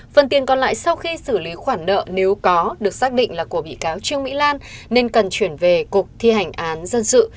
phần tiền còn lại sau khi xử lý khoản nợ nếu có được xác định là của bị cáo trương mỹ lan nên cần chuyển về cục thi hành án dân sự